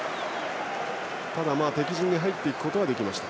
ただ、敵陣に入っていくことはできました。